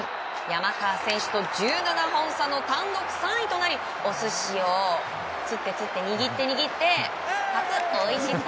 山川選手と１７本差の単独３位となりお寿司を釣って釣って握って握ってパクッ。